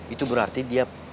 itu berarti dia